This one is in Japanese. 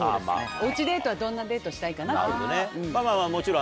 おうちデートはどんなデートしたいかなっていう。